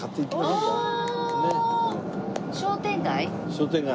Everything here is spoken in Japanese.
商店街？